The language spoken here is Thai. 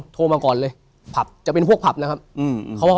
โทรมาก่อนเลยผับจะเป็นพวกผับนะครับ